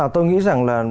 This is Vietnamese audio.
tôi nghĩ rằng là